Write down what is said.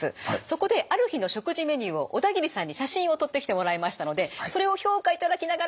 そこである日の食事メニューを小田切さんに写真を撮ってきてもらいましたのでそれを評価いただきながら教えてもらいます。